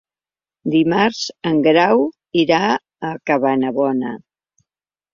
Dimarts en Grau irà a Cabanabona.